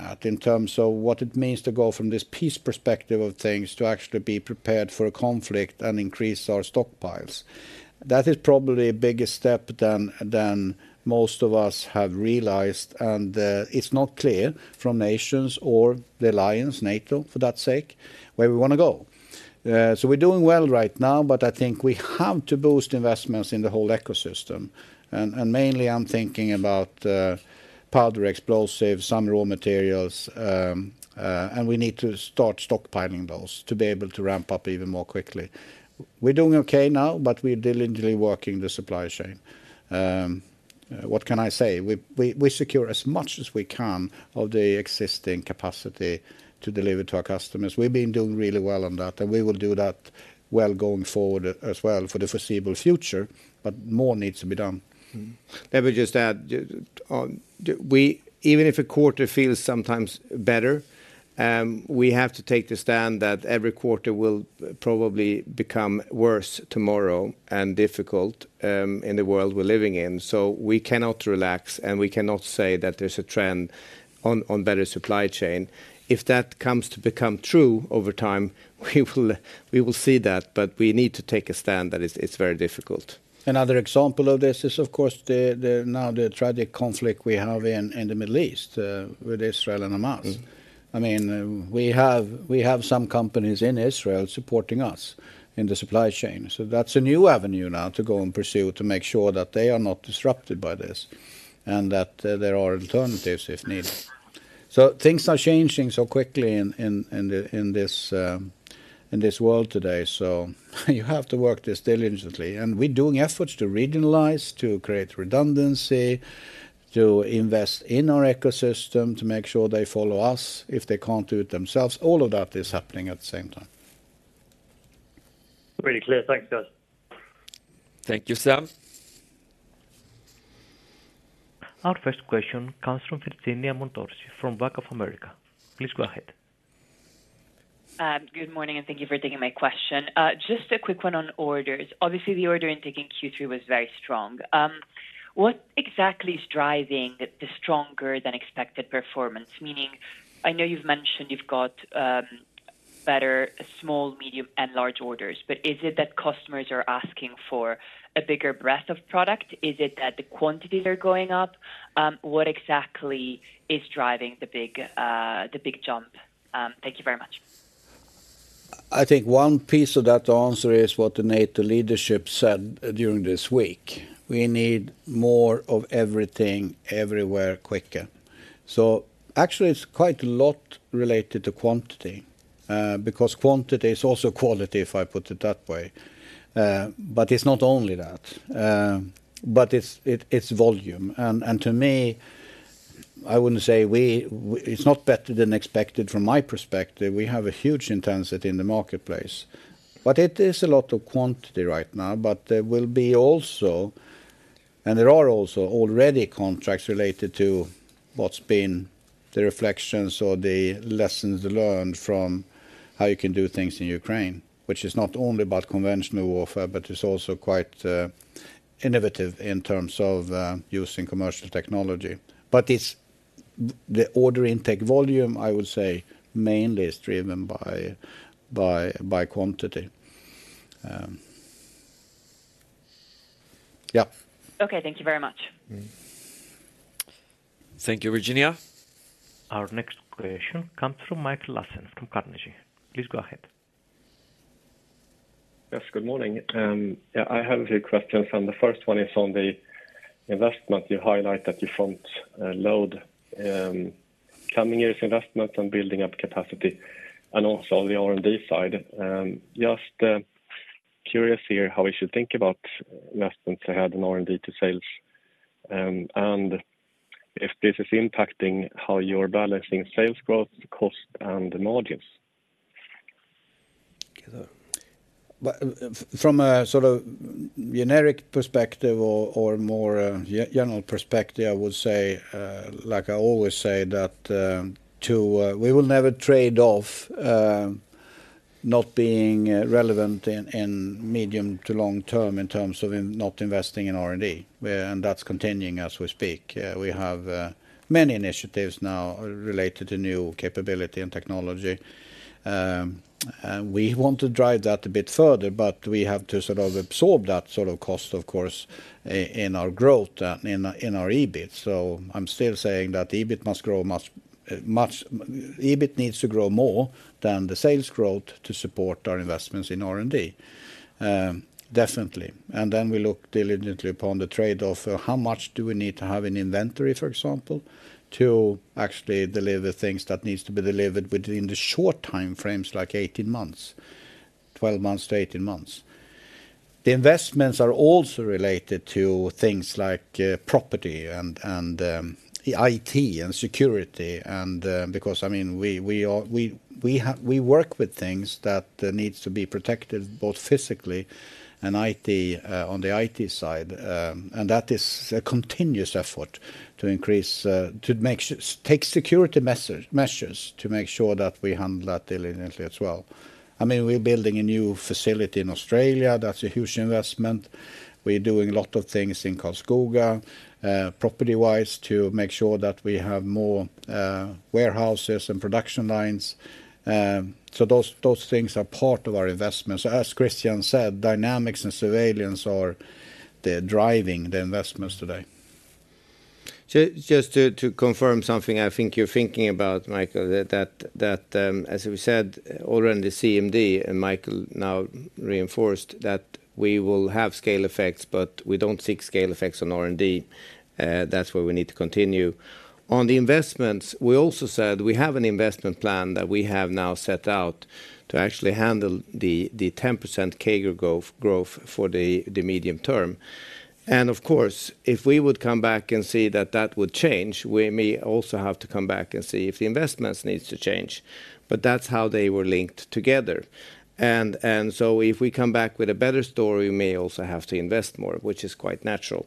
Speaker 3: Let me just add, we even if a quarter feels sometimes better, we have to take the stand that every quarter will probably become worse tomorrow and difficult, in the world we're living in. So we cannot relax, and we cannot say that there's a trend on better supply chain. If that comes to become true over time, we will see that, but we need to take a stand that it's very difficult.
Speaker 2: Another example of this is, of course, the now tragic conflict we have in the Middle East, with Israel and Hamas.
Speaker 3: Mm-hmm.
Speaker 2: I mean, we have some companies in Israel supporting us in the supply chain. So that's a new avenue now to go and pursue to make sure that they are not disrupted by this, and that there are alternatives, if needed. So things are changing so quickly in this world today. So you have to work this diligently. And we're doing efforts to regionalize, to create redundancy, to invest in our ecosystem, to make sure they follow us if they can't do it themselves. All of that is happening at the same time.
Speaker 5: Pretty clear. Thanks, guys.
Speaker 2: Thank you, Sam.
Speaker 4: Our first question comes from Virginia Montorsi from Bank of America. Please go ahead.
Speaker 6: Good morning, and thank you for taking my question. Just a quick one on orders. Obviously, the order intake Q3 was very strong. What exactly is driving the stronger than expected performance? Meaning, I know you've mentioned you've got better small, medium, and large orders, but is it that customers are asking for a bigger breadth of product? Is it that the quantities are going up? What exactly is driving the big jump? Thank you very much.
Speaker 2: I think one piece of that answer is what the NATO leadership said during this week. We need more of everything, everywhere, quicker. So actually it's quite a lot related to quantity, because quantity is also quality, if I put it that way. But it's not only that, but it's volume. And to me, I wouldn't say it's not better than expected from my perspective. We have a huge intensity in the marketplace. But it is a lot of quantity right now, but there will be also, and there are also already contracts related to what's been the reflections or the lessons learned from how you can do things in Ukraine, which is not only about conventional warfare, but it's also quite innovative in terms of using commercial technology. It's the order intake volume, I would say, mainly is driven by quantity. Yeah.
Speaker 6: Okay. Thank you very much.
Speaker 2: Thank you, Virginia.
Speaker 4: Our next question comes from Mikael Laséen from Carnegie. Please go ahead.
Speaker 7: Yes, good morning. Yeah, I have a few questions, and the first one is on the investment. You highlight that you front load coming years investment on building up capacity and also on the R&D side. Just curious here, how we should think about investments ahead in R&D to sales, and if this is impacting how you're balancing sales growth, cost, and the margins?
Speaker 2: But from a sort of generic perspective or more general perspective, I would say, like I always say, that we will never trade off not being relevant in medium to long term in terms of not investing in R&D. And that's continuing as we speak. We have many initiatives now related to new capability and technology. And we want to drive that a bit further, but we have to sort of absorb that sort of cost, of course, in our growth in our EBIT. So I'm still saying that EBIT must grow much, EBIT needs to grow more than the sales growth to support our investments in R&D. Definitely. And then we look diligently upon the trade-off. How much do we need to have in inventory, for example, to actually deliver things that needs to be delivered within the short time frames, like 18 months, 12-18 months? The investments are also related to things like property and IT and security, and because, I mean, we work with things that needs to be protected, both physically and IT on the IT side. That is a continuous effort to increase to take security measures to make sure that we handle that diligently as well. I mean, we're building a new facility in Australia. That's a huge investment. We're doing a lot of things in Karlskoga, property-wise, to make sure that we have more warehouses and production lines. So those things are part of our investments. As Christian said, Dynamics and Surveillance are driving the investments today.
Speaker 3: So just to confirm something I think you're thinking about, Micael, that as we said earlier in the CMD, and Micael now reinforced, that we will have scale effects, but we don't seek scale effects on R&D. That's where we need to continue. On the investments, we also said we have an investment plan that we have now set out to actually handle the 10% CAGR growth for the medium term. And of course, if we would come back and see that that would change, we may also have to come back and see if the investments needs to change. But that's how they were linked together. And so if we come back with a better story, we may also have to invest more, which is quite natural.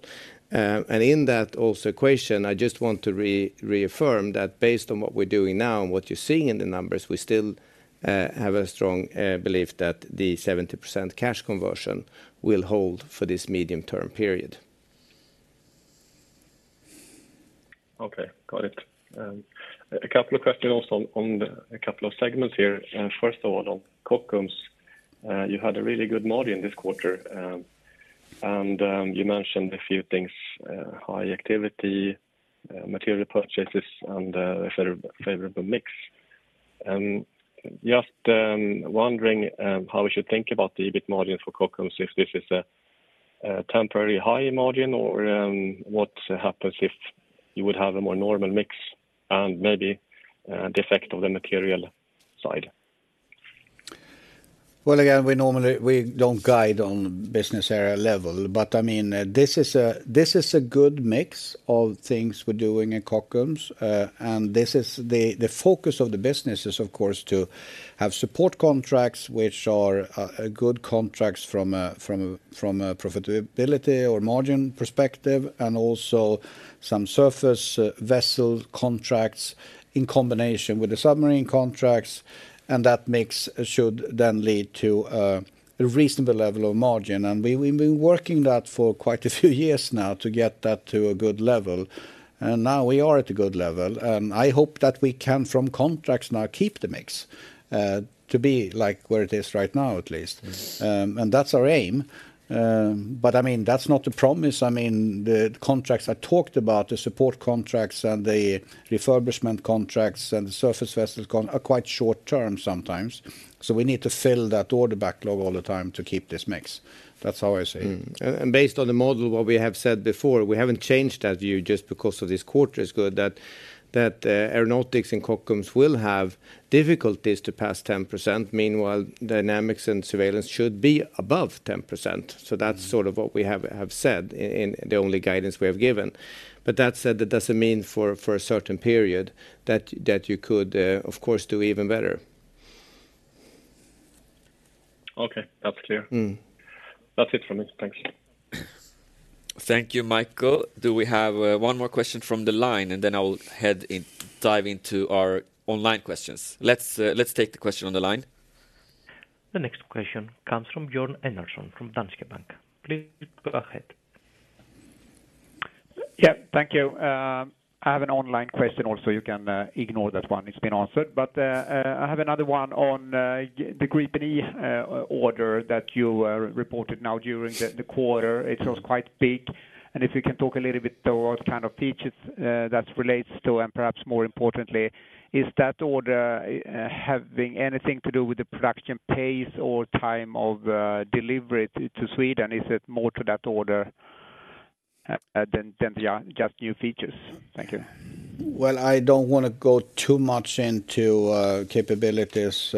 Speaker 3: And in that also equation, I just want to reaffirm that based on what we're doing now and what you're seeing in the numbers, we still have a strong belief that the 70% cash conversion will hold for this medium-term period.
Speaker 7: Okay, got it. A couple of questions also on the, a couple of segments here. First of all, on Kockums. You had a really good margin this quarter, and you mentioned a few things, high activity, material purchases, and a favorable mix. And just wondering, how we should think about the EBIT margin for Kockums, if this is a temporary high margin, or what happens if you would have a more normal mix and maybe the effect of the material side?
Speaker 2: Well, again, we normally don't guide on business area level, but, I mean, this is a good mix of things we're doing in Kockums. And this is the focus of the business is, of course, to have support contracts, which are a good contracts from a profitability or margin perspective, and also some surface vessel contracts in combination with the submarine contracts, and that mix should then lead to a reasonable level of margin. And we, we've been working that for quite a few years now to get that to a good level, and now we are at a good level. I hope that we can, from contracts now, keep the mix to be like where it is right now, at least. And that's our aim. But, I mean, that's not a promise. I mean, the contracts I talked about, the support contracts and the refurbishment contracts and the surface vessels contracts are quite short term sometimes, so we need to fill that order backlog all the time to keep this mix. That's how I see it. Based on the model, what we have said before, we haven't changed that view just because of this quarter is good, that Aeronautics and Kockums will have difficulties to pass 10%. Meanwhile, Dynamics and Surveillance should be above 10%. So that's sort of what we have said in the only guidance we have given. But that said, that doesn't mean for a certain period that you could, of course, do even better.
Speaker 7: Okay, that's clear.
Speaker 3: Mm.
Speaker 7: That's it from me. Thanks.
Speaker 1: Thank you, Mikael. Do we have one more question from the line, and then I will head in, dive into our online questions. Let's take the question on the line.
Speaker 4: The next question comes from Björn Enarson from Danske Bank. Please go ahead.
Speaker 8: Yeah, thank you. I have an online question also. You can ignore that one. It's been answered. But I have another one on the Gripen E order that you reported now during the quarter. It was quite big. And if you can talk a little bit about what kind of features that relates to, and perhaps more importantly, is that order having anything to do with the production pace or time of delivery to Sweden? Is it more to that order than just new features? Thank you.
Speaker 2: Well, I don't want to go too much into capabilities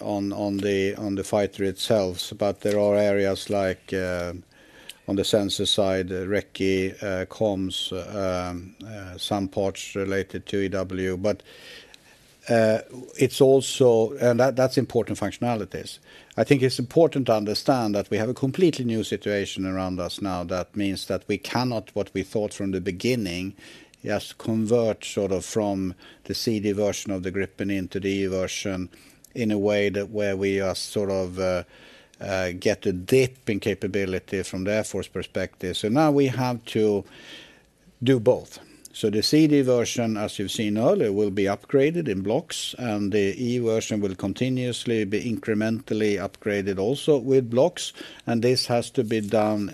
Speaker 2: on the fighter itself, but there are areas like on the sensor side, recce, comms, some parts related to EW. But it's also... And that, that's important functionalities. I think it's important to understand that we have a completely new situation around us now. That means that we cannot, what we thought from the beginning, just convert sort of from the C/D version of the Gripen into the E version in a way that where we are sort of get a dip in capability from the Air Force perspective. So now we have to do both. So the C/D version, as you've seen earlier, will be upgraded in blocks, and the E version will continuously be incrementally upgraded also with blocks, and this has to be done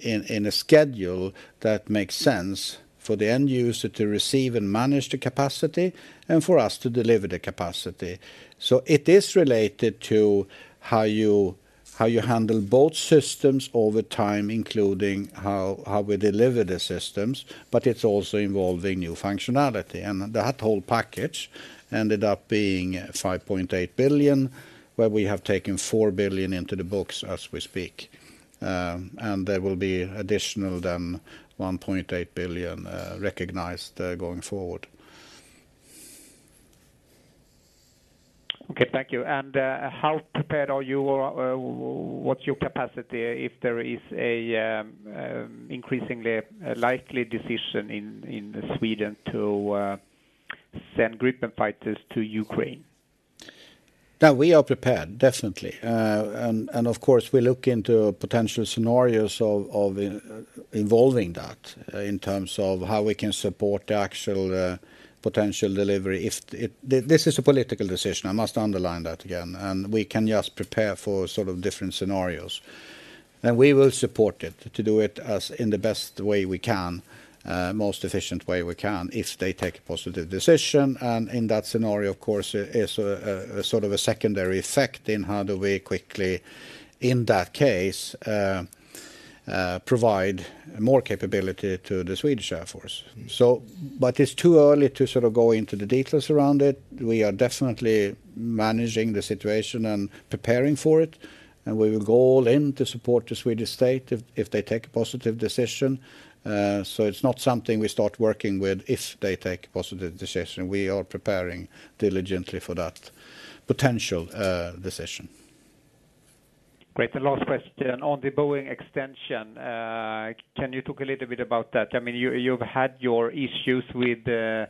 Speaker 2: in a schedule that makes sense for the end user to receive and manage the capacity and for us to deliver the capacity. So it is related to how you handle both systems over time, including how we deliver the systems, but it's also involving new functionality. And that whole package ended up being 5.8 billion, where we have taken 4 billion into the books as we speak. And there will be additional than 1.8 billion recognized going forward.
Speaker 8: Okay, thank you. How prepared are you or what's your capacity if there is an increasingly likely decision in Sweden to send Gripen fighters to Ukraine?
Speaker 2: Yeah, we are prepared, definitely. And of course, we look into potential scenarios of involving that, in terms of how we can support the actual potential delivery if it... This is a political decision, I must underline that again, and we can just prepare for sort of different scenarios. And we will support it, to do it as in the best way we can, most efficient way we can, if they take a positive decision. And in that scenario, of course, is a sort of a secondary effect in how do we quickly, in that case, provide more capability to the Swedish Air Force. So but it's too early to sort of go into the details around it. We are definitely managing the situation and preparing for it, and we will go all in to support the Swedish state if they take a positive decision. So it's not something we start working with if they take a positive decision. We are preparing diligently for that potential decision.
Speaker 8: Great. The last question, on the Boeing extension, can you talk a little bit about that? I mean, you've had your issues with the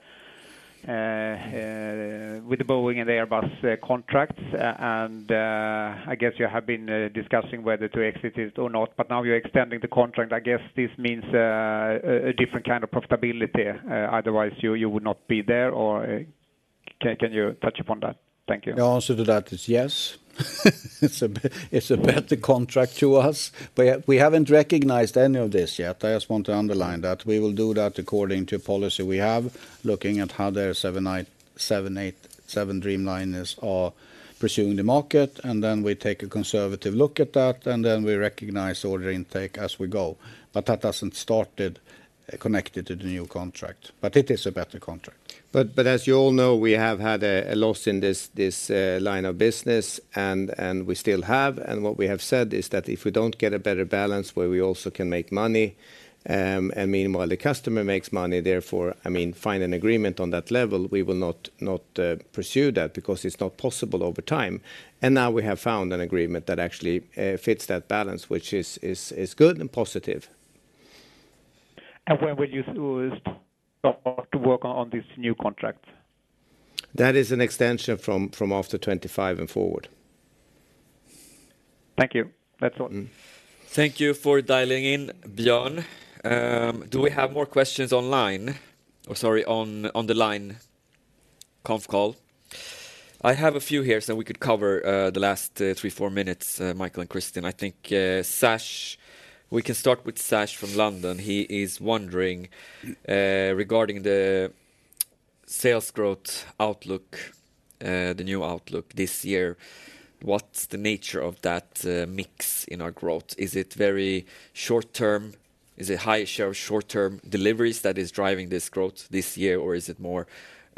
Speaker 8: Boeing and Airbus contracts, and I guess you have been discussing whether to exit it or not, but now you're extending the contract. I guess this means a different kind of profitability, otherwise you would not be there or... Can you touch upon that? Thank you.
Speaker 2: The answer to that is yes. It's a better contract to us, but yet we haven't recognized any of this yet. I just want to underline that. We will do that according to policy we have, looking at how their 787 Dreamliners are pursuing the market, and then we take a conservative look at that, and then we recognize order intake as we go. But that doesn't start it connected to the new contract, but it is a better contract.
Speaker 3: But as you all know, we have had a loss in this line of business, and we still have. And what we have said is that if we don't get a better balance where we also can make money, and meanwhile the customer makes money, therefore, I mean, find an agreement on that level, we will not pursue that because it's not possible over time. And now we have found an agreement that actually fits that balance, which is good and positive.
Speaker 8: When will you start to work on this new contract?
Speaker 3: That is an extension from after 2025 and forward.
Speaker 8: Thank you. That's all.
Speaker 1: Thank you for dialing in, Björn. Do we have more questions online? Or sorry, on the line, conf call. I have a few here, so we could cover the last 3-4 minutes, Micael and Christian. I think, Sash, we can start with Sash from London. He is wondering regarding the sales growth outlook, the new outlook this year, what's the nature of that mix in our growth? Is it very short term? Is it high share of short-term deliveries that is driving this growth this year, or is it more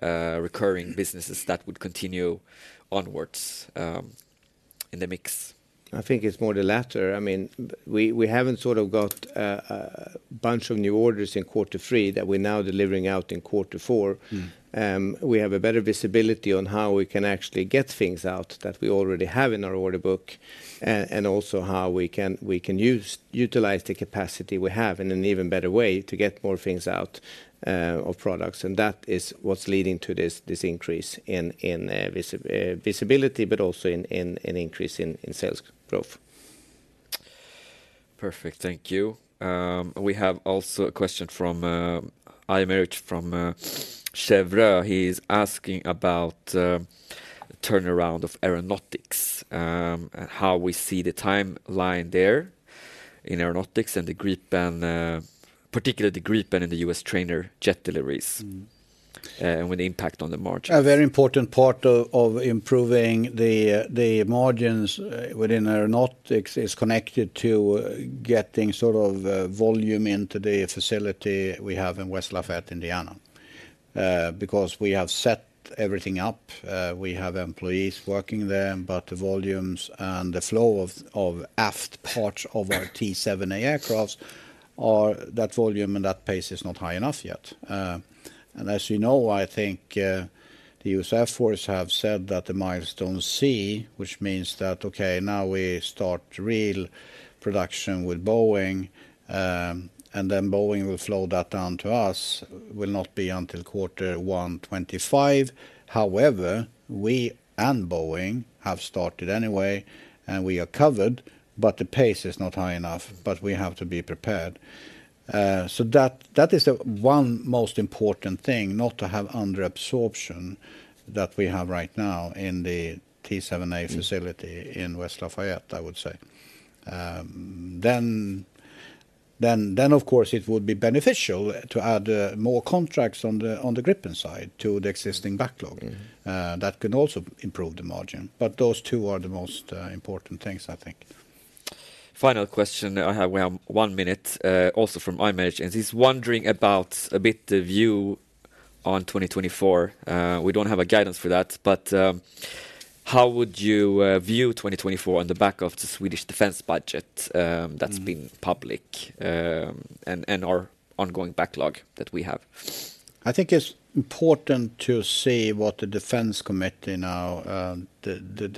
Speaker 1: recurring businesses that would continue onwards in the mix?
Speaker 3: I think it's more the latter. I mean, we haven't sort of got a bunch of new orders in quarter three that we're now delivering out in quarter four.
Speaker 1: Mm.
Speaker 3: We have a better visibility on how we can actually get things out that we already have in our order book, and also how we can utilize the capacity we have in an even better way to get more things out of products. And that is what's leading to this increase in visibility, but also in an increase in sales growth.
Speaker 1: Perfect. Thank you. We have also a question from Aymeric from Cheuvreux. He's asking about turnaround of Aeronautics and how we see the timeline there in Aeronautics and the Gripen, particularly the Gripen and the U.S. trainer jet deliveries-
Speaker 3: Mm ...
Speaker 1: and with the impact on the margin.
Speaker 2: A very important part of improving the margins within Aeronautics is connected to getting sort of volume into the facility we have in West Lafayette, Indiana. Because we have set everything up, we have employees working there, but the volumes and the flow of aft parts of our T-7A aircrafts are... That volume and that pace is not high enough yet. And as you know, I think, the U.S. Air Force have said that the Milestone C, which means that, okay, now we start real production with Boeing, and then Boeing will flow that down to us, will not be until quarter one 2025. However, we and Boeing have started anyway, and we are covered, but the pace is not high enough, but we have to be prepared. So that is the one most important thing, not to have under absorption that we have right now in the T-7A facility.
Speaker 1: Mm...
Speaker 2: in West Lafayette, I would say. Then, of course, it would be beneficial to add more contracts on the Gripen side to the existing backlog.
Speaker 1: Mm.
Speaker 2: That can also improve the margin, but those two are the most important things, I think.
Speaker 1: Final question I have, we have one minute, also from Aymeric, and he's wondering about a bit the view on 2024. We don't have a guidance for that, but, how would you view 2024 on the back of the Swedish defense budget, that's-
Speaker 2: Mm...
Speaker 1: been public, and our ongoing backlog that we have?
Speaker 2: I think it's important to see what the defense committee now, the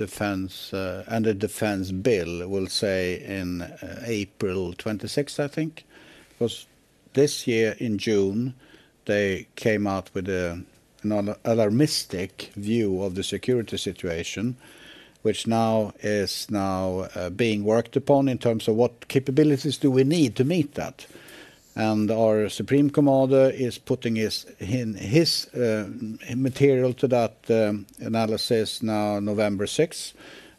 Speaker 2: defense, and the defense bill will say in April 26th, I think. Because this year, in June, they came out with an alarmist view of the security situation, which now is being worked upon in terms of what capabilities do we need to meet that. And our supreme commander is putting his material to that analysis now November 6th,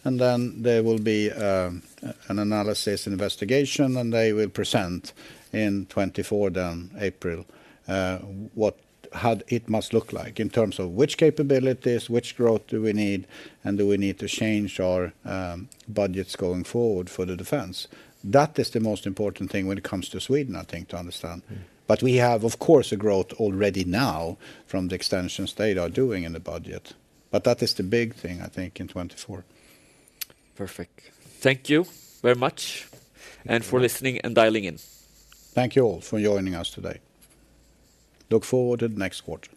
Speaker 2: and then there will be an analysis investigation, and they will present in 2024, then April, what how it must look like in terms of which capabilities, which growth do we need, and do we need to change our budgets going forward for the defense? That is the most important thing when it comes to Sweden, I think, to understand.
Speaker 1: Mm.
Speaker 2: But we have, of course, a growth already now from the extensions they are doing in the budget, but that is the big thing, I think, in 2024.
Speaker 1: Perfect. Thank you very much-
Speaker 2: Thank you...
Speaker 1: and for listening and dialing in.
Speaker 2: Thank you all for joining us today. Look forward to the next quarter.